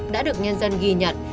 đã được nhân dân ghi nhận